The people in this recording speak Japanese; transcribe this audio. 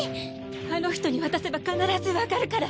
あの人に渡せば必ずわかるから。